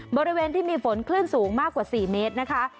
บริเวณที่มีฝนคลื่นสูงมากกว่า๔เมตรนะคะ